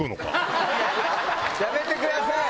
やめてください！